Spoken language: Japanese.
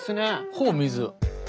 ほぼ水。